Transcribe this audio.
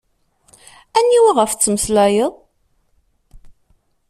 Aniwa ɣef tettmeslayeḍ?